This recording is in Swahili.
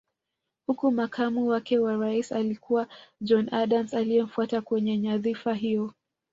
Huku makamu wake wa Rais alikuwa John Adams aliyemfuata kwenye nyadhifa hiyo